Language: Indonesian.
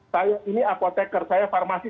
saya ini apotekar saya farmasi